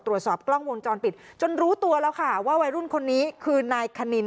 ตรวจสอบกล้องวงจรปิดจนรู้ตัวแล้วค่ะว่าวัยรุ่นคนนี้คือนายคณิน